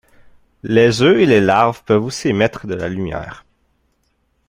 Les œufs et les larves peuvent aussi émettre de la lumière.